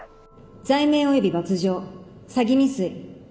罪名および罰条詐欺未遂。